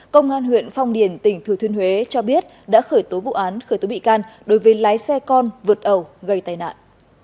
công an huyện phong điền tỉnh thừa thiên huế cho biết đã khởi tố vụ án khởi tố bị can đối với lái xe con vượt ẩu gây tai nạn